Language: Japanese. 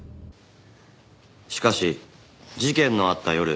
しかし事件のあった夜。